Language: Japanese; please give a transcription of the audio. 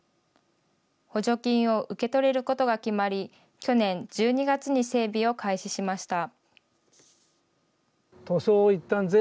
補助金を受け取れることが決まり、去年１２月に整備を開始しました。